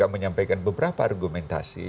menyampaikan beberapa argumentasi